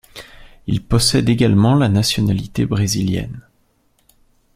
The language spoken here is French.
Il possède également la nationalité brésilienne.